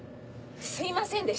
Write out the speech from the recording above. すいませんでした。